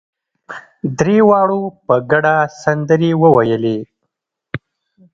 درېواړو په ګډه سندرې وويلې.